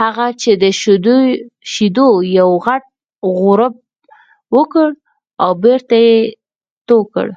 هغه د شیدو یو غټ غوړپ وکړ او بېرته یې تو کړ